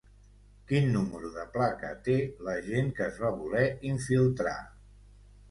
Quin número de placa té l'agent que es va voler infiltrar?